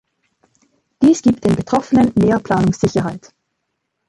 Dies gibt den Betroffenen mehr Planungssicherheit.